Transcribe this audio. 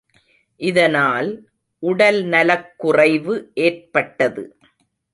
இதனால் உடல்நலக் குறைவு ஏற்பட்டது.